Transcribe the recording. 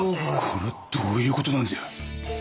これどういうことなんじゃ？